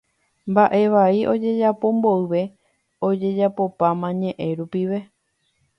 Mbaʼevai ojejapo mboyve ojejapopáma ñeʼẽ rupive.